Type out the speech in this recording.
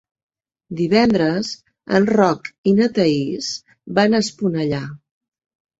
Divendres en Roc i na Thaís van a Esponellà.